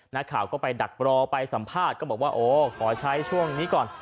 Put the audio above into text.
นักข่าวก็ไปดักรอไปสัมภาษณ์ก็บอกว่าโอ้ขอใช้ช่วงนี้ก่อน